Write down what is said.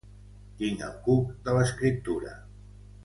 Tinc el cuc de l'escriptura.